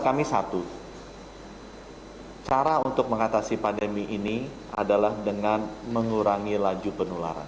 kami satu cara untuk mengatasi pandemi ini adalah dengan mengurangi laju penularan